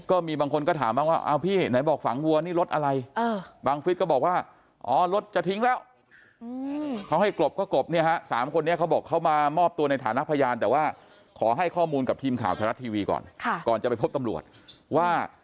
ก็มีบางคนก็ถามอย่างว่า